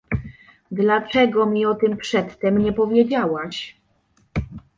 — Dlaczego mi o tym przedtem nie powiedziałaś?